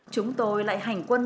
chúng tôi lại hành quân